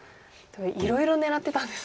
いろいろ狙ってたんですね。